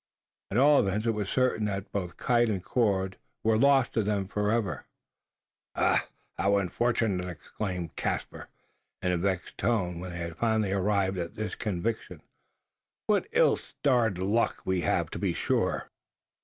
At all events, it was certain, that both kite and cord were lost to them for ever. "Ach! how very unfortunate!" exclaimed Caspar, in a vexed tone, when they had finally arrived at this conviction. "What ill starred luck we have, to be sure!"